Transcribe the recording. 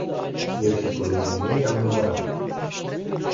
Eu și colegii mei i-am numărat.